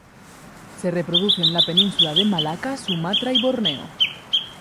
Se reproduce en la península de Malaca, Sumatra y Borneo.